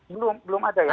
belum belum ada ya